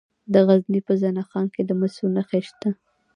د غزني په زنه خان کې د مسو نښې شته.